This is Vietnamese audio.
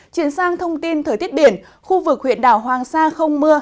chuyển sang thông tin thời tiết biển khu vực huyện đảo hoàng sa không mưa